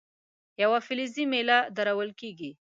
یوه فلزي میله درول کیږي.